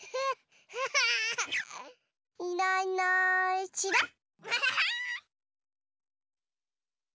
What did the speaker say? いないいないちらっ。